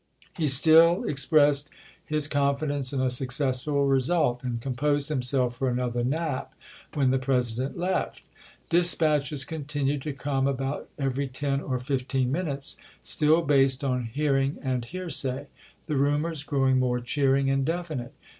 He still expressed his confidence in a successful result, and composed himself for another nap when the President left. Dispatches continued to come about every ten or fifteen minutes, still based on hearing and hearsay; the rumors growing more cheering and definite.